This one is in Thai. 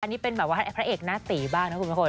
อันนี้เป็นแบบว่าพระเอกหน้าตีบ้างนะคุณผู้ชม